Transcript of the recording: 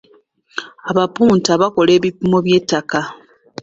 Abapunta bakola ebipimo by'ettaka.